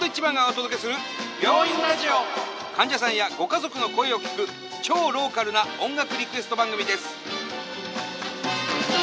患者さんやご家族の声を聴く超ローカルな音楽リクエスト番組です。